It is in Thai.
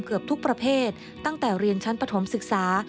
เกือบทุกประเภทตั้งแต่เรียนชั้นปฐมศึกษา